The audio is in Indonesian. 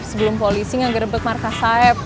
sebelum polisi nge rebek markas saeb